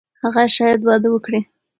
هغه شاید واده وکړي.